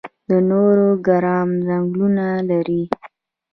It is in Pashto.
د نورګرام ځنګلونه لري